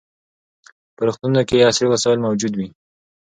په روغتونونو کې عصري وسایل موجود وي.